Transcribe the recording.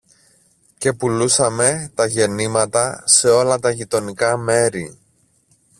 και πουλούσαμε τα γεννήματα σε όλα τα γειτονικά μέρη.